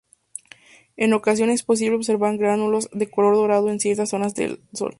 En ocasiones es posible observar "gránulos" de color dorado en ciertas zonas del sol.